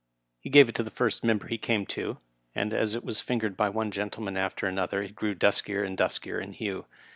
He gave it to the first member he came to, and as it was fingered by one gentleman after another it grew dnskier and duskier in hue.